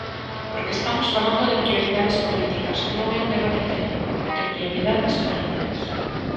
Porque estamos falando de prioridades políticas, non é un debate técnico, de prioridades políticas.